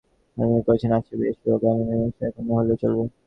হারানবাবু কহিলেন, আচ্ছা বেশ, ও কথাটার মীমাংসা এখন না হলেও চলবে।